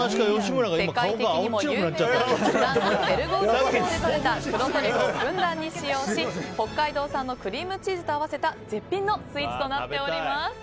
世界的にも有名なフランスペリゴール地方でとれた黒トリュフをふんだんに使用し北海道産のクリームチーズと合わせた絶品のスイーツとなっております。